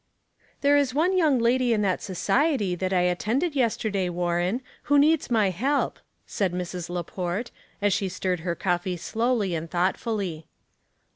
HERE is one young lady in that so ciety that I attended yesterday, War ren, who needs my help,'' said Mrs. Laport, as she stirred her coffee slowly and thoughtfully.